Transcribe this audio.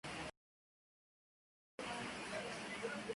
Está rodeada completamente por el Parque nacional y natural de Doñana.